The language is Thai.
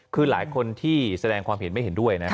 คือหลายคนที่แสดงความเห็นไม่เห็นด้วยนะ